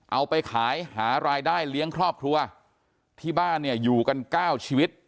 เอาไปขายหารายได้เลี้ยงครอบครัวที่บ้านเนี่ยอยู่กัน๙ชีวิต